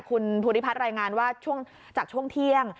คุณภูริพัฒน์รายงานว่าจากช่วงเที่ยง